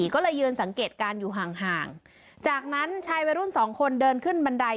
ก็เลยยืนสังเกตการณ์อยู่ห่างจากนั้นชายวัยรุ่นสองคนเดินขึ้นบันได